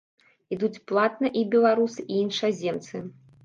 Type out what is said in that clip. Ідуць платна і беларусы, і іншаземцы.